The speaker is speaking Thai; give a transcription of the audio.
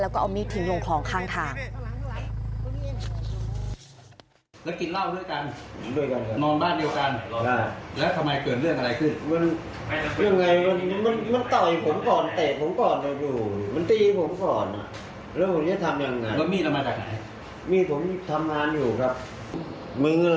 แล้วก็เอามีดทิ้งลงคลองข้างทาง